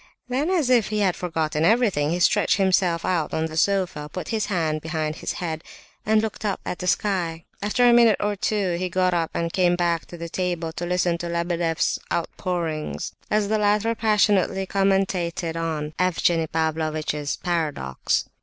Then, as if he had forgotten everything, he stretched himself out on the sofa, put his hands behind his head, and looked up at the sky. After a minute or two he got up and came back to the table to listen to Lebedeff's outpourings, as the latter passionately commentated on Evgenie Pavlovitch's paradox.